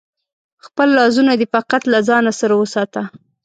خپل رازونه دی فقط له ځانه سره وساته